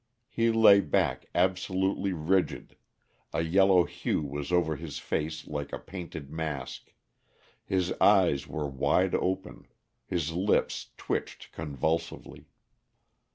He lay back absolutely rigid, a yellow hue was over his face like a painted mask, his eyes were wide open, his lips twitched convulsively.